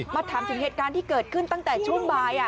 ถามถึงเหตุการณ์ที่เกิดขึ้นตั้งแต่ช่วงบ่าย